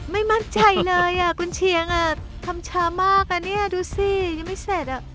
ไม่มั่นใจเลยคุณเชียงทำช้ามากดูสิยังไม่เสร็จ